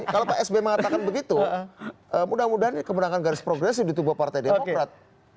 kalau pak sby mengatakan begitu mudah mudahan kebenarankan garis progresif ditubuh partai demokrat